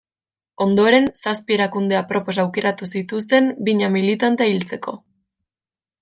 Ondoren, zazpi erakunde apropos aukeratu zituzten, bina militante hiltzeko.